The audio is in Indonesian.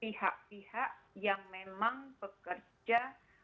pihak pihak yang memang bekerja